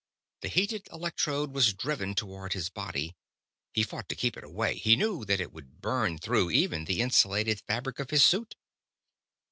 The heated electrode was driven toward his body. He fought to keep it away; he knew that it would burn through even the insulated fabric of his suit.